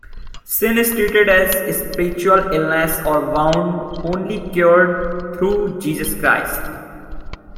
Sin is treated as a spiritual illness, or wound, only cured through Jesus Christ.